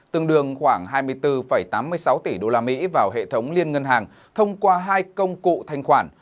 tương đương khoảng hai mươi bốn tám mươi sáu tỷ đô la mỹ vào hệ thống liên ngân hàng thông qua hai công cụ thanh khoản